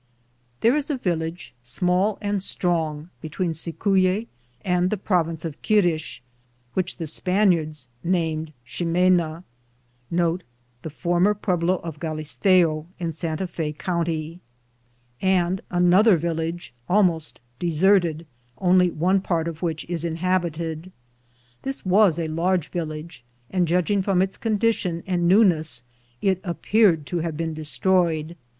There is a village, small and strong, be tween Cicuye and the province of Quirix, which the Spaniards named Ximena, 1 and another village almost deserted, only one part of which is inhabited.' This was a large village, and judging from its condition and newness it appeared to have been destroyed.